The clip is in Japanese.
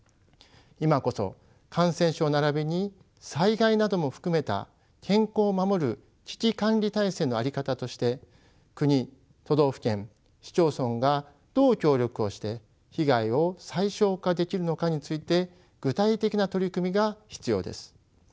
今こそ感染症ならびに災害なども含めた健康を守る危機管理体制の在り方として国都道府県市町村がどう協力をして被害を最少化できるのかについて具体的な取り組みが必要です。